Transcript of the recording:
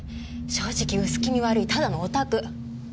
正直薄気味悪いただのオタク。